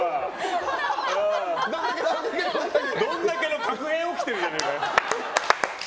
どんだけ！の確変起きてるじゃねえかよ。